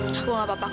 kamu mau apa pak